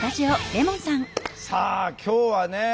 さあ今日はね